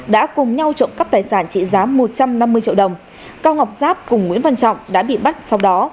đã cùng nhau trộm cắp tài sản trị giá một trăm năm mươi triệu đồng cao ngọc giáp cùng nguyễn văn trọng đã bị bắt sau đó